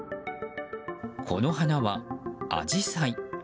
この花は、アジサイ。